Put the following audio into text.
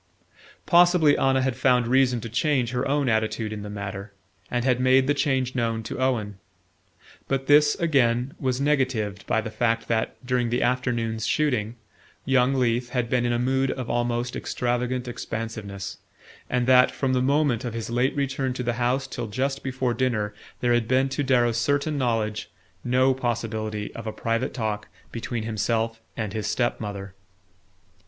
Possibly Anna had found reason to change her own attitude in the matter, and had made the change known to Owen. But this, again, was negatived by the fact that, during the afternoon's shooting, young Leath had been in a mood of almost extravagant expansiveness, and that, from the moment of his late return to the house till just before dinner, there had been, to Darrow's certain knowledge, no possibility of a private talk between himself and his step mother.